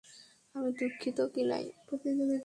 আমি দুঃখিত, কিনাই।